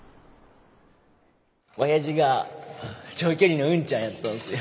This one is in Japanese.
親父が長距離の運ちゃんやったんすよ。